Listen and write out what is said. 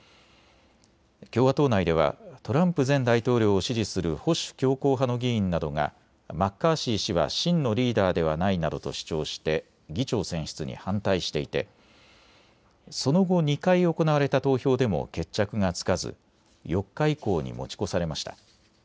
共和党内ではトランプ前大統領を支持する保守強硬派の議員などがマッカーシー氏は真のリーダーではないなどと主張して議長選出に反対していてその後、２回行われた投票でも決着がつかず４日以降に持ち越されました。